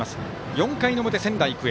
４回の表、仙台育英。